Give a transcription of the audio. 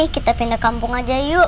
kita pindah kampung aja yuk